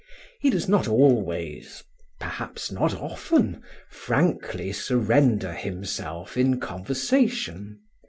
He does not always, perhaps not often, frankly surrender himself in conversation.